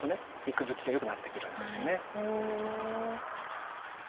肉づきがよくなってくるんですよね。